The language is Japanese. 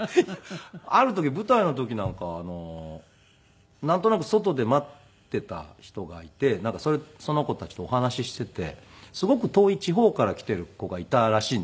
ある時舞台の時なんかなんとなく外で待っていた人がいてその子たちとお話ししていてすごく遠い地方から来てる子がいたらしいんですよ。